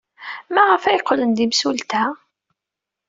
Maɣef ay qqlen d imsulta?